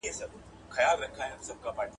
د زلمیو تویېدل پکښي سرونه `